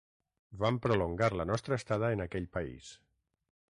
Vam prolongar la nostra estada en aquell país.